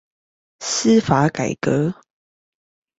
司法改革